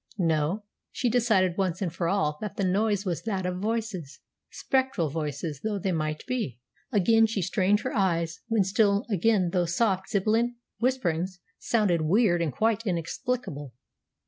No. She decided once and for all that the noise was that of voices, spectral voices though they might be. Again she strained her eyes, when still again those soft, sibilant whisperings sounded weird and quite inexplicable.